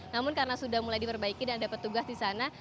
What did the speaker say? namun karena sudah mulai diperbaiki dan ada petugas di sana